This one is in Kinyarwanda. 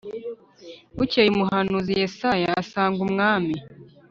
Bukeye umuhanuzi yesaya asanga umwami